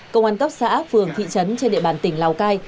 công an cấp xã phường thị trấn trên địa bàn tỉnh lào cai